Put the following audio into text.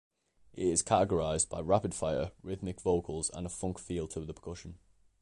It is characterized by rapid-fire, rhythmic vocals and a funk feel to the percussion.